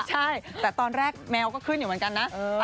ใช่แต่ตอนแรกแมวก็ขึ้นอยู่เหมือนกันนะ